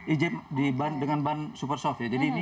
ijib dengan ban super soft ya